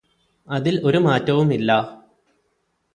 അതിൽ ഒരു മാറ്റവും ഇല്ലാ